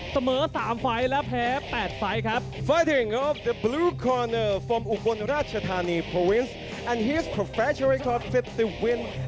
เสมอ๓ไฟล์และแพ้๘ไฟล์ครับ